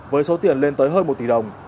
với số tiền lên tới hơn một tỷ đồng